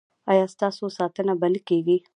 ایا ستاسو ساتنه به نه کیږي؟